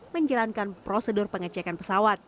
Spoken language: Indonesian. menjalankan prosedur pengecekan pesawat